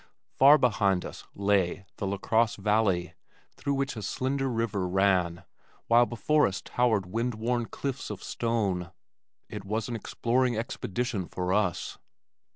Far behind us lay the LaCrosse valley through which a slender river ran, while before us towered wind worn cliffs of stone. It was an exploring expedition for us.